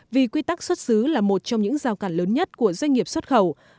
vì quy tắc xuất xứ là một trong những giao cản lớn nhất của doanh nghiệp xuất khẩu